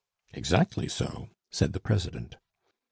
"Exactly so," said the president.